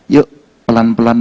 yuk pelan pelan muntah muntah